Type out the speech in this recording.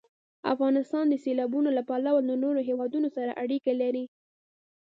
افغانستان د سیلابونه له پلوه له نورو هېوادونو سره اړیکې لري.